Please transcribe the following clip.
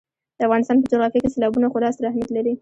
د افغانستان په جغرافیه کې سیلابونه خورا ستر اهمیت لري.